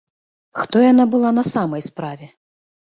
Хто яна была на самай справе?